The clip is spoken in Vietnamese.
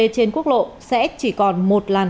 trên quốc lộ sẽ chỉ còn một làn